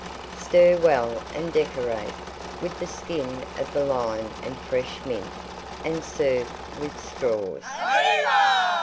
Stir well and decorate with the skin of the Lime and fresh Mint and serve with Straws.